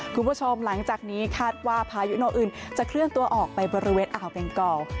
คุณผู้ชมหลังจากนี้คาดว่าพายุโนอื่นจะเคลื่อนตัวออกไปบริเวณอ่าวเบงกอล